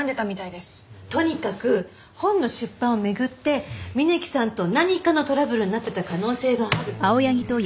とにかく本の出版を巡って峯木さんと何かのトラブルになってた可能性がある。